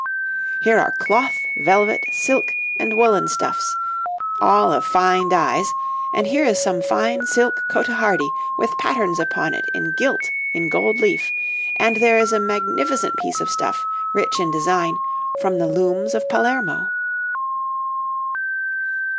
Here are cloth, velvet, silk, and woollen stuffs, all of fine dyes, and here is some fine silk cotehardie with patterns upon it gilt in gold leaf, and there is a magnificent piece of stuff, rich in design, from the looms of Palermo.